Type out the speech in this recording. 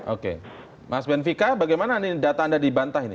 oke mas benvika bagaimana data anda dibantah ini